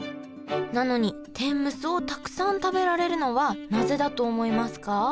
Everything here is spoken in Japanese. なのに天むすをたくさん食べられるのはなぜだと思いますか？